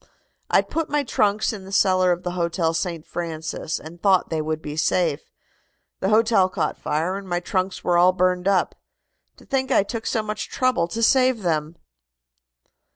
"I put my trunks in the cellar of the Hotel St. Francis and thought they would be safe. The hotel caught fire, and my trunks were all burned up. To think I took so much trouble to save them!"